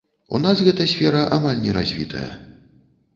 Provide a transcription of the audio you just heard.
У нас гэта сфера амаль не развітая.